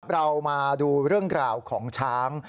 เรามาดูเรื่องราวของช้าง